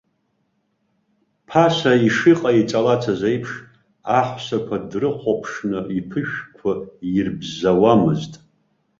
Ԥаса ишыҟаиҵалацыз аиԥш, аҳәсақәа дрыхәаԥшны иԥышәқәа ирбзауамызт.